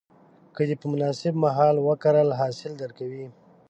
که دې په مناسب مهال وکرل، حاصل درکوي.